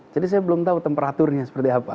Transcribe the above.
jadi saya belum tahu temperaturnya seperti apa